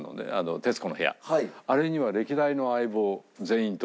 『徹子の部屋』あれには歴代の相棒全員と。